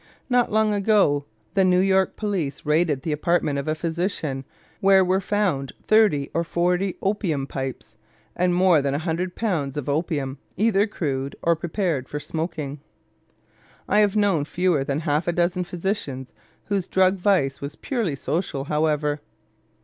Not long ago the New York police raided the apartment of a physician where were found thirty or forty opium pipes and more than a hundred pounds of opium, either crude or prepared for smoking. I have known fewer than half a dozen physicians whose drug vice was purely social, however.